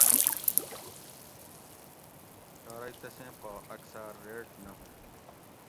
شارئی تسیں پا اکثاۤر ریٹ نہ ہُوئینت